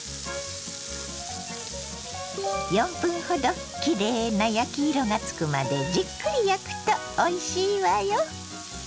４分ほどきれいな焼き色がつくまでじっくり焼くとおいしいわよ。